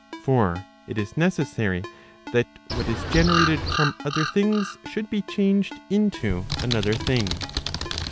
For it is neces¬ sary that what is generated from other things, should be changed into another thing.